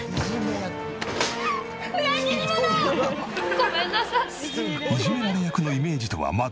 ごめんなさい。